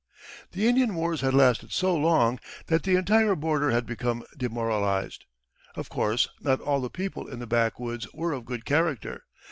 The Indian wars had lasted so long that the entire border had become demoralized. Of course not all the people in the backwoods were of good character.